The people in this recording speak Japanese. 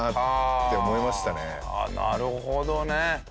なるほどね。